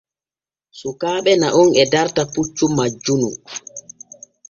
Sukaaɓe naɗon e darta puccu majjunu.